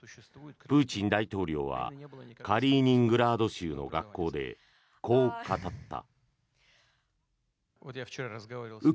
プーチン大統領はカリーニングラード州の学校でこう語った。